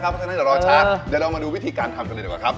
เพราะฉะนั้นอย่ารอช้าเดี๋ยวเรามาดูวิธีการทำกันเลยดีกว่าครับ